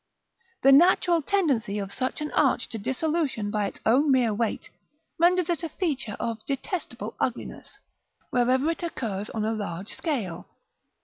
The natural tendency of such an arch to dissolution by its own mere weight renders it a feature of detestable ugliness, wherever it occurs on a large scale.